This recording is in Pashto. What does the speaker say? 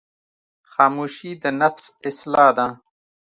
خاموشي، د نفس اصلاح ده.